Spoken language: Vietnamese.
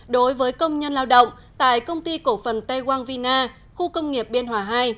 đối với công nhân lao động tại công ty cổ phần tây quang vina khu công nghiệp biên hòa hai